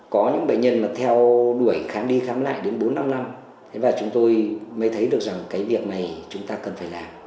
có những bệnh nhân mà theo đuổi khám đi khám lại đến bốn năm năm và chúng tôi mới thấy được rằng cái việc này chúng ta cần phải làm